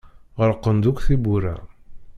Ɣelqent-d akk tewwura.